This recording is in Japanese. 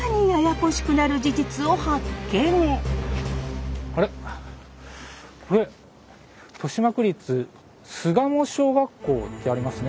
これ豊島区立巣鴨小学校ってありますね。